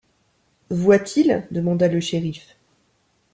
Voit-il? demanda le shériff.